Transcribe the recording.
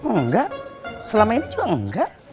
enggak selama ini juga enggak